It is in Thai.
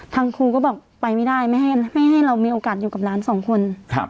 ทางครูก็บอกไปไม่ได้ไม่ให้เรามีโอกาสอยู่กับหลานสองคน